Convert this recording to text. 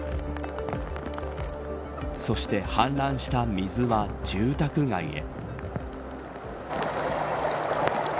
そして氾濫した水は住宅街へ。